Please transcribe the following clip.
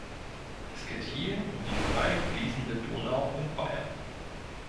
Es geht hier um die frei fließende Donau in Bayern.